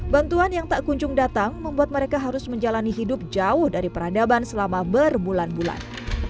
bantuan yang tak kunjung datang membuat mereka harus menjalani hidup jauh dari peradaban selama berbulan bulan